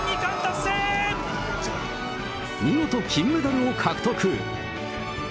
見事、金メダルを獲得。